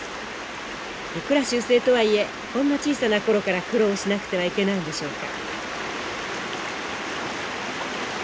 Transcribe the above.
いくら習性とはいえこんな小さな頃から苦労しなくてはいけないんでしょうか。